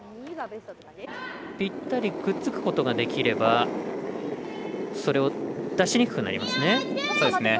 ぴったりくっつくことができれば出しにくくなりますね。